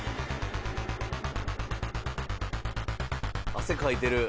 汗かいてる。